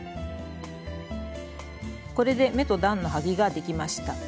これで目と段のはぎができました。